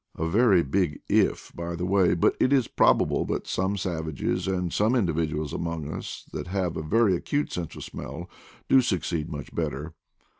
'' A very big if, by the way; but it is probable that some savages, and some individuals among us that have a very acute sense of smell, do succeed much better.